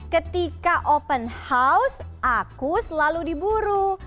ketika open house aku selalu diburu